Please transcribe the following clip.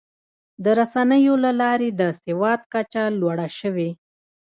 د رسنیو له لارې د سواد کچه لوړه شوې.